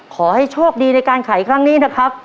ขอให้โชคดีในการไขครั้งนี้นะครับ